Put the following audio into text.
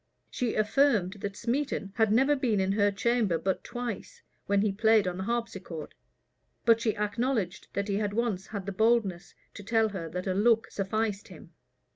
[*] She affirmed that Smeton had never been in her chamber but twice, when he played on the harpsichord; but she acknowledged that he had once had the boldness to tell her that a look sufficed him.